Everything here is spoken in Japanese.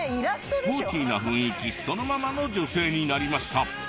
スポーティーな雰囲気そのままの女性になりました。